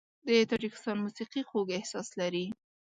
د تاجکستان موسیقي خوږ احساس لري.